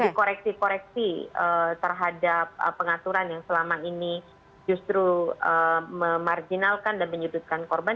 jadi koreksi koreksi terhadap pengaturan yang selama ini justru memarjinalkan dan menyudutkan korban